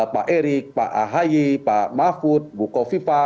pak erik pak ahayi pak mahfud bukofipa